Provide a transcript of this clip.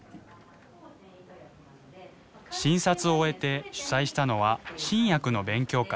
診察を終えて主催したのは新薬の勉強会。